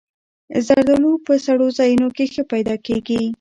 زردالو په سړو ځایونو کې ښه پیدا کېږي.